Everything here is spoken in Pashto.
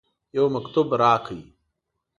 یو مکتوب راکړ.